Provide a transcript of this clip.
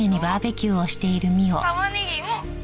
「玉ねぎも」